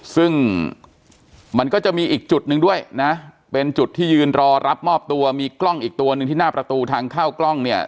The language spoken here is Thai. ซึ่งมันก็จะมีอีกจุดหนึ่งด้วยนะเป็นจุดที่ยืนรอรับมอบตัวมีกล้องอีกตัวหนึ่งที่หน้าประตูทางเข้ากล้องเนี่ย